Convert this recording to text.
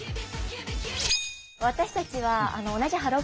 私たちは同じハロー！